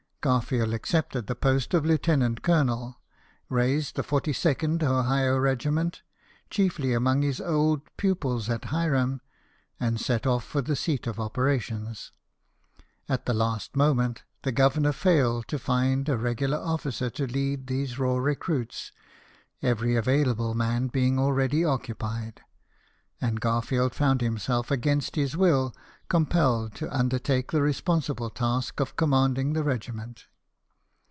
Garfield accepted the post of lieutenant colonel, raised the 42nd Ohio regiment, chiefly among his own old pupils at Hiram, and set off for the seat of operations. At the last moment the Governor failed to find a regular officer to lead these raw recruits, every available man being already occupied, and Garfield found himself, against his will, compelled to undertake the responsible task of commanding the regiment.